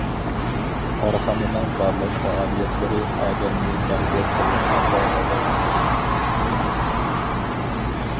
كارخانىنىڭ بارلىق پائالىيەتلىرى ئادەمنى مەركەز قىلغان ھالدا راۋاجلىنىدۇ.